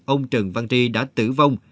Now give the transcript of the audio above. ông trần văn tri đã tử vong